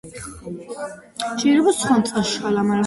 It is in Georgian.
ერთი მეფე იფიცებდა: სიკვდილი ისე ვერ მომკლავს, მეც რომ არ მოვკლაო!